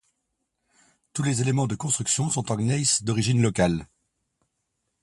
Tous les éléments de construction sont en gneiss d'origine locale.